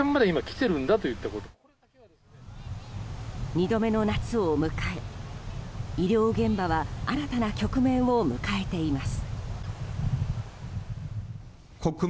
２度目の夏を迎え、医療現場は新たな局面を迎えています。